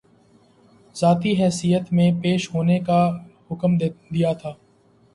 ذاتی حیثیت میں پیش ہونے کا حکم دیا تھا